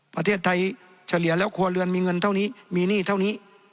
ประเทศไทยเฉลี่ยแล้วครัวเรือนมีเงินเท่านี้มีหนี้เท่านี้